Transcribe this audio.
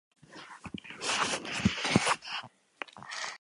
Eskari hori aste honen amaieran aurkeztuko dute, azkarrenera jota.